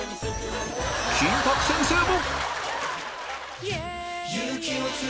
金箔先生も！